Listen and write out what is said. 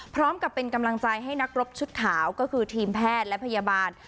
พร้อมกับเป็นกำลังใจให้นักรบชุดขาวก็คือทีมแพทย์และพยาบาล